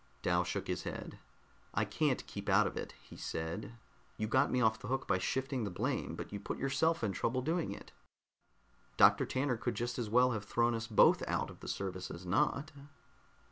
Dal shook his head. "I can't keep out of it," he said. "You got me off the hook by shifting the blame, but you put yourself in trouble doing it. Dr. Tanner could just as well have thrown us both out of the service as not."